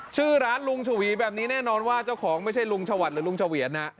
ชื่อร้านลุงฉวีแบบนี้แน่นอนว่าเจ้าของไม่ใช่ลุงชวัดหรือลุงเฉวียนนะ